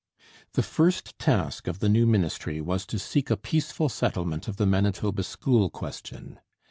The first task of the new Ministry was to seek a peaceful settlement of the Manitoba school question.